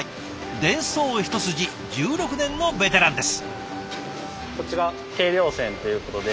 電装一筋１６年のベテランです。